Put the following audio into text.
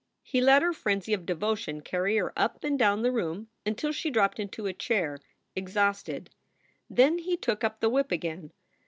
He let her frenzy of devotion carry her up and down the room until she dropped into a chair, exhausted. Then he took up the whip again.